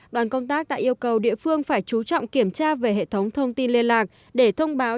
đoàn công tác đã yêu cầu địa phương phải chú trọng kiểm tra về hệ thống thông tin liên lạc để thông báo